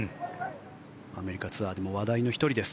アメリカツアーでも話題の１人です。